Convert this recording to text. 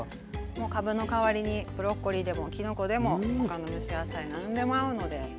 もうかぶの代わりにブロッコリーでもきのこでも他の蒸し野菜何でも合うのでいろいろつくってみて下さい。